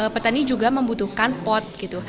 petani juga membutuhkan pot gitu